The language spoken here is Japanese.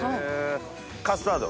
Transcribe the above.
カスタード？